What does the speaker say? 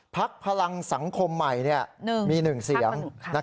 พลังสังคมใหม่มี๑เสียง